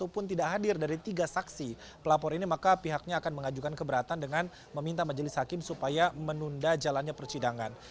pelapor ini maka pihaknya akan mengajukan keberatan dengan meminta majelis hakim supaya menunda jalannya persidangan